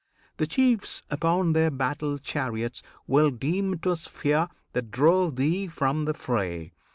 The chiefs upon their battle chariots Will deem 'twas fear that drove thee from the fray.